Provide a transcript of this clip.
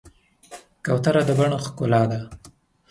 کوتره د بڼ ښکلا ده.